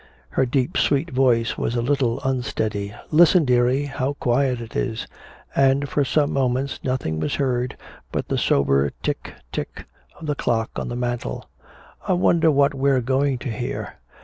Her deep sweet voice was a little unsteady. "Listen, dearie, how quiet it is." And for some moments nothing was heard but the sober tick tick of the clock on the mantle. "I wonder what we're going to hear."